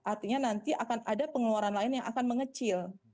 artinya nanti akan ada pengeluaran lain yang akan mengecil